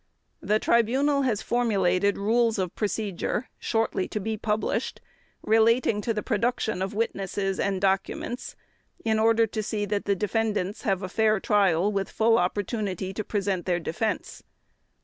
"The Tribunal has formulated Rules of Procedure, shortly to be published, relating to the production of witnesses and documents in order to see that the defendants have a fair trial with full opportunity to present their defense.